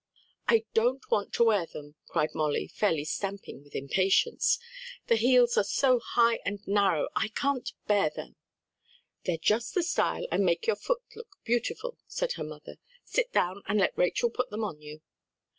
"I don't want to wear them!" cried Molly, fairly stamping with impatience. "The heels are so high and narrow, I can't bear them." "They're just the style and make your foot look beautiful," said her mother, "sit down and let Rachel put them on you."